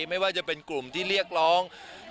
ไม่ว่าจะเป็นกลุ่มที่เรียกร้อง